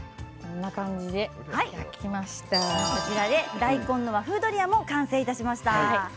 大根の和風ドリアも完成いたしました。